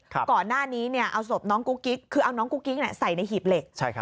ก่อนหน้านี้เอาศพน้องกุ๊กกิ๊กคือเอาน้องกุ๊กกิ๊กใส่ในหีบเหล็ก